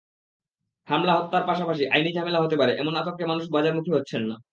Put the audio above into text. হামলা, হত্যার পাশাপাশি আইনি ঝামেলা হতে পারে—এমন আতঙ্কে মানুষ বাজারমুখী হচ্ছেন না।